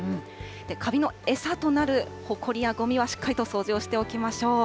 カビの餌となるほこりやごみは、しっかりと掃除をしておきましょう。